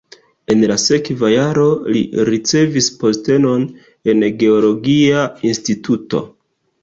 En la sekva jaro li ricevis postenon en geologia instituto.